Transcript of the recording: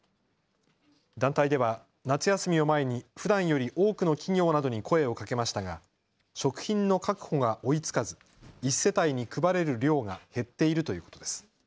団体では夏休みを前にふだんより多くの企業などに声をかけましたが食品の確保が追いつかず１世帯に配れる量が減っているということです。